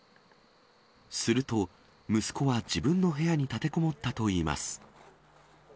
すると、息子は自分の部屋に立てこもったといいます。